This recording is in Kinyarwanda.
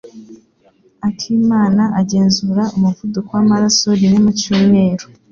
akimana agenzura umuvuduko w'amaraso rimwe mu cyumweru.